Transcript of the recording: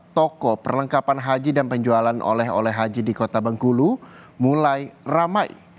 toko perlengkapan haji dan penjualan oleh oleh haji di kota bengkulu mulai ramai